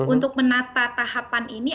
untuk menata tahapan ini